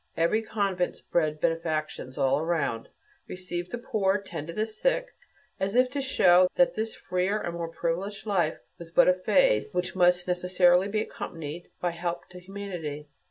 Every convent spread benefactions all around received the poor, tended the sick, as if to show that this freer and more privileged life was but a phase, which must necessarily be accompanied by help to humanity.